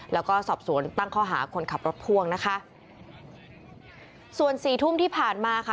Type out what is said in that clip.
แล้วก็สอบสวนตั้งข้อหาคนขับรถพ่วงนะคะส่วนสี่ทุ่มที่ผ่านมาค่ะ